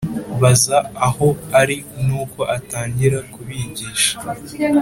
baza aho ari Nuko atangira kubigisha